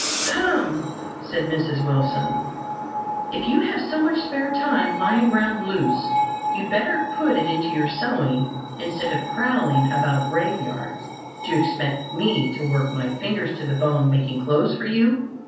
"Humph!" said Mrs. Wilson. "If you have so much spare time lying round loose, you'd better put it into your sewing instead of prowling about graveyards. Do you expect me to work my fingers to the bone making clothes for you?